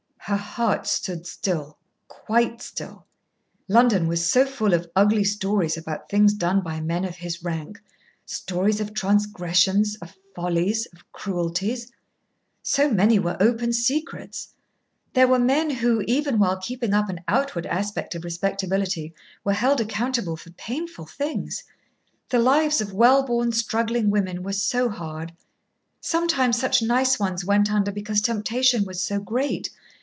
Her heart stood still, quite still. London was so full of ugly stories about things done by men of his rank stories of transgressions, of follies, of cruelties. So many were open secrets. There were men, who, even while keeping up an outward aspect of respectability, were held accountable for painful things. The lives of well born struggling women were so hard. Sometimes such nice ones went under because temptation was so great.